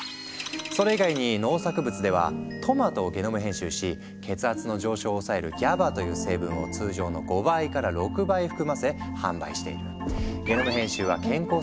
それ以外に農作物ではトマトをゲノム編集し血圧の上昇を抑えるＧＡＢＡという成分を通常の５倍から６倍含ませ販売している。